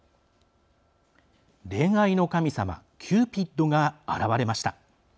恋愛の神様キューピッドが現れました。